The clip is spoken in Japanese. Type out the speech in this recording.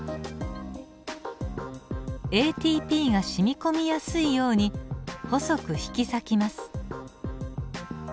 ＡＴＰがしみこみやすいように細く引き裂きます。